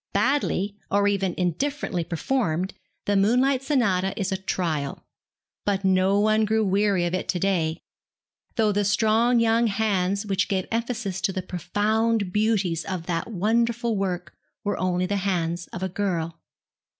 Badly, or even indifferently performed, the 'Moonlight Sonata' is a trial; but no one grew weary of it to day, though the strong young hands which gave emphasis to the profound beauties of that wonderful work were only the hands of a girl.